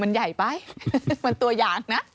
มันใหญ่ไปมันตัวอย่างนะ